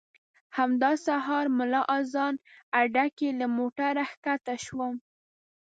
همدا سهار ملا اذان اډه کې له موټره ښکته شوم.